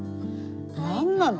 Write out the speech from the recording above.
何なの？